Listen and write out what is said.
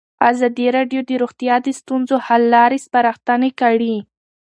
ازادي راډیو د روغتیا د ستونزو حل لارې سپارښتنې کړي.